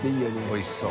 おいしそう。